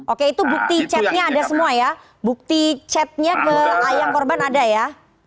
oke itu bukti chatnya ada semua ya bukti chatnya ke ayah korban ada ya